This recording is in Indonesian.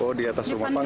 oh di atas rumah panggung